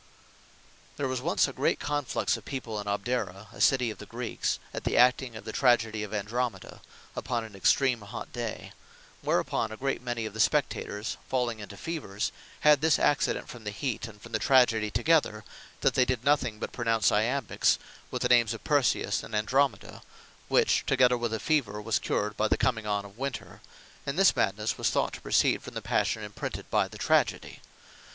There was once a great conflux of people in Abdera, a City of the Greeks, at the acting of the Tragedy of Andromeda, upon an extream hot day: whereupon, a great many of the spectators falling into Fevers, had this accident from the heat, and from The Tragedy together, that they did nothing but pronounce Iambiques, with the names of Perseus and Andromeda; which together with the Fever, was cured, by the comming on of Winter: And this madnesse was thought to proceed from the Passion imprinted by the Tragedy.